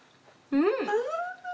「うん」